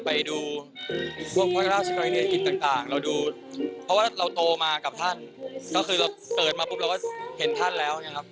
เพราะว่าเราโตมากับท่านก็คือเราเกิดมาปุ๊บเราก็เห็นท่านแล้วนะครับ